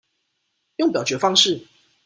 用表決方式